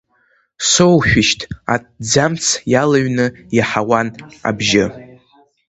Соушәышьҭ, аҭӡамц иалыҩны иаҳауан абжьы.